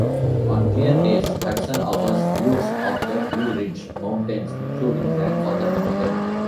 On clear days, Hudson offers views of the Blue Ridge Mountains, including Grandfather Mountain.